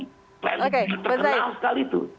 klan terkenal sekali itu